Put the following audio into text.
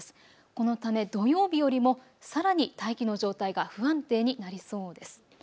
このため土曜日よりもさらに大気の状態が不安定になりそうです。